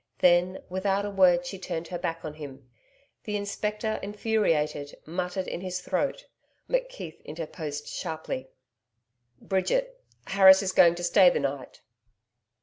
Then, without a word she turned her back on him. The inspector infuriated, muttered in his throat. McKeith interposed sharply: 'Bridget, Harris is going to stay the night.'